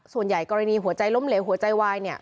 ส่วนใหญ่กรณีหัวใจล้มเหลวหัวใจวายเนี่ย